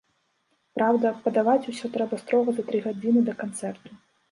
Праўда, падаваць усё трэба строга за тры гадзіны да канцэрту.